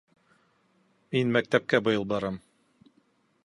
Мин мәктәпкә быйыл барам